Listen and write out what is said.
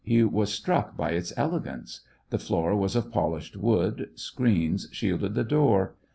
He was struck by its elegance. The floor was of polished wood, screens shielded the door.